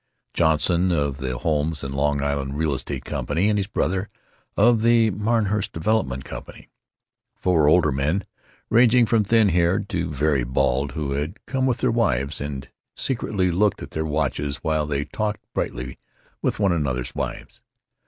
Johnson of the Homes and Long Island Real Estate Company, and his brother, of the Martinhurst Development Company. Four older men, ranging from thin haired to very bald, who had come with their wives and secretly looked at their watches while they talked brightly with one another's wives.